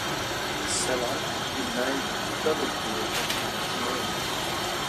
Celant is married to fellow curator Paris Murray.